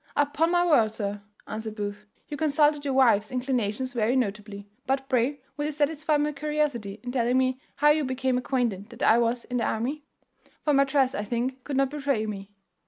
"Upon my word, sir," answered Booth, "you consulted your wife's inclinations very notably; but pray will you satisfy my curiosity in telling me how you became acquainted that I was in the army? for my dress I think could not betray me."